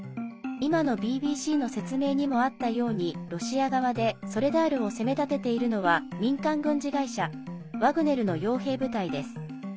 今のＢＢＣの説明にもあったようにロシア側でソレダールを攻めたてているのは民間軍事会社ワグネルのよう兵部隊です。